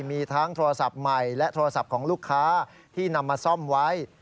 มีทั้งโทรศัพท์ใหม่และโทรศัพท์ของลูกค้าที่นำมาซ่อมไว้